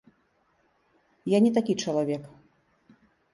Я не такі чалавек.